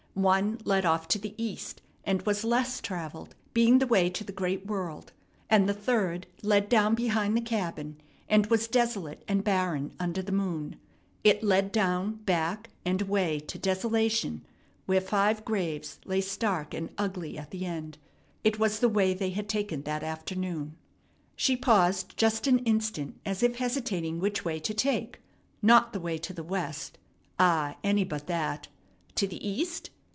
One led off to the east, and was less travelled, being the way to the great world; and the third led down behind the cabin, and was desolate and barren under the moon. It led down, back, and away to desolation, where five graves lay stark and ugly at the end. It was the way they had taken that afternoon. She paused just an instant as if hesitating which way to take. Not the way to the west ah, any but that! To the east?